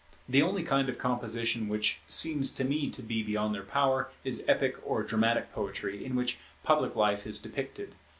The only kind of composition which seems to me to be beyond their power is epic or dramatic poetry in which public life is depicted.